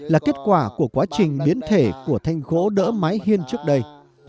là kết quả của quá trình biến thể của thanh gỗ đỡ mái hiên trước đây